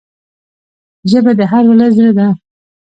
ژبه د هر ولس زړه ده